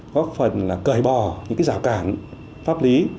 góp phần là cởi bỏ những cái giảo cản pháp lý